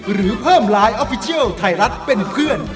หรือเพิ่มไลน์ออฟฟิเชียลไทยรัฐเป็นเพื่อน